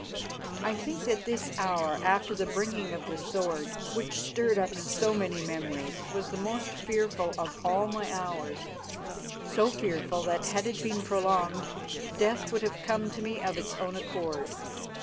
I think that this hour after the bringing of the sword, which stirred up so many memories, was the most fearful of all my hours, so fearful that, had it been prolonged, death would have come to me of its own accord.